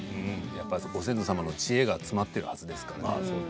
ご先祖様の知恵が詰まっているはずですから。